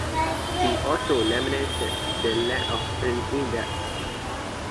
He also lamented the lack of an index.